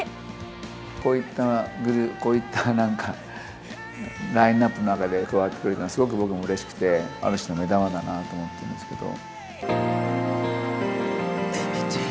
こういった、なんかラインナップの中で、加わってくれるのは、すごく僕もうれしくて、ある種の目玉だなと思ってるんですけど。